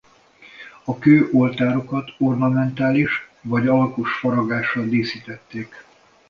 A kő oltárokat ornamentális vagy alakos faragással díszítették.